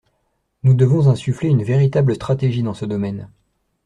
Nous devons insuffler une véritable stratégie dans ce domaine.